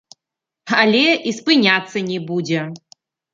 Але і спыняцца не будзе.